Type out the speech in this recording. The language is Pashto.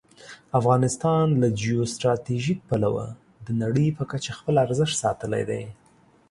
افغانستان له جیو سټراټژيک پلوه د نړۍ په کچه خپل ارزښت ساتلی دی.